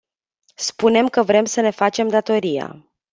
Spunem că vrem să ne facem datoria.